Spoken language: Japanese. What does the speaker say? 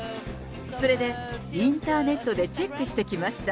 それでインターネットでチェックして来ました。